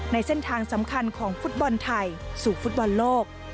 ในเส้นทางสำคัญของฟุตบอลไทยสู่ฟุตบอลโลก